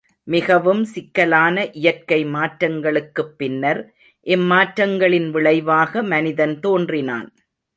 மிகவும் சிக்கலான இயற்கை மாற்றங்களுக்குப் பின்னர், இம்மாற்றங்களின் விளைவாக மனிதன் தோன்றினான்.